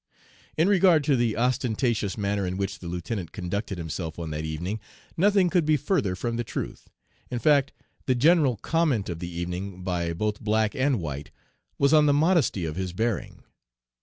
"In regard to the ostentatious manner in which the lieutenant conducted himself on that evening, nothing could be further from the truth. In fact, the general comment of the evening by both black and white was on the modesty of his bearing.